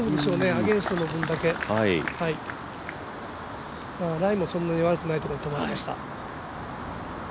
アゲンストの分だけ、ライもそんなに悪くないところに止まりました。